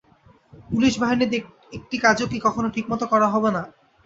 Police বাহিনীতে একটি কাজও কি কখনো ঠিকমতো করা হবে না।